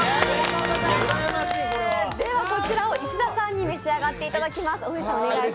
こちらを石田さんに召し上がっていただきます。